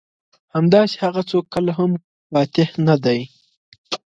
همداسې هغه څوک کله هم فاتح نه دي.